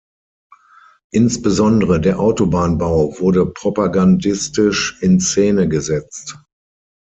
Insbesondere der Autobahnbau wurde propagandistisch in Szene gesetzt.